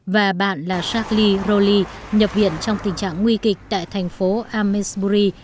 và bạn là shagley rowley nhập viện trong tình trạng nguy kịch tại thành phố amesbury